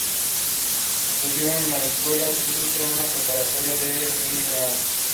Estudió en la escuela Trinity, una preparatoria en Midland.